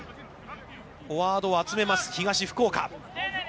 フォワードを集めます東福岡。